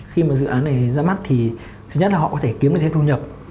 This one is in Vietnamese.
khi mà dự án này ra mắt thì thứ nhất là họ có thể kiếm được thêm thu nhập